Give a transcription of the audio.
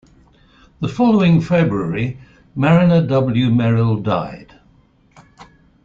The following February, Marriner W. Merrill died.